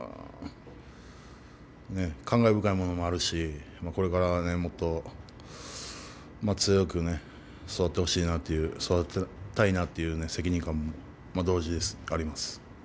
感慨深いものもあるしこれからもっと強く育ってほしいなと育てたいなという責任感も同時です。